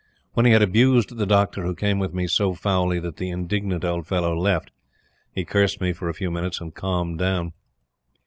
When he had abused the Doctor who came with me so foully that the indignant old fellow left, he cursed me for a few minutes and calmed down.